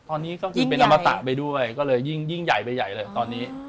ตอนนี้ก็คือเป็นอมตะไปด้วยก็เลยยิ่งใหญ่ไปใหญ่เลยตอนนี้